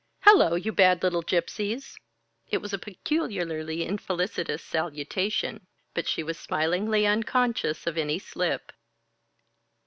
"Hello, you bad little Gypsies!" It was a peculiarly infelicitous salutation, but she was smilingly unconscious of any slip.